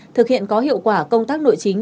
thực hiện có hiệu quả công tác nội chính